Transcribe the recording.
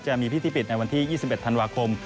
จะมีพิธีปิดในวันที่๒๑ธันวาคม